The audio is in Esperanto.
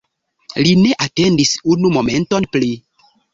Li ne atendis unu momenton pli.